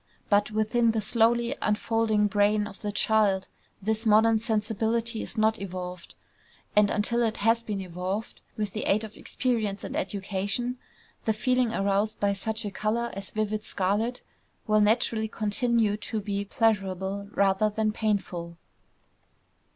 But within the slowly unfolding brain of the child, this modern sensibility is not evolved; and until it has been evolved, with the aid of experience and of education, the feeling aroused by such a color as vivid scarlet will naturally continue to be pleasurable rather than painful.